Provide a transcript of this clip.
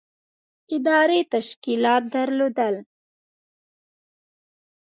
ادارې تشکیلات درلودل.